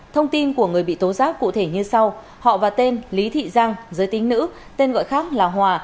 thông tin của người bị tố giác cụ thể như sau họ và tên lý thị giang giới tính nữ tên gọi khác là hòa